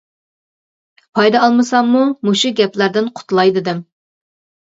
پايدا ئالمىساممۇ مۇشۇ گەپلەردىن قۇتۇلاي دېدىم.